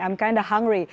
i'm kinda hungry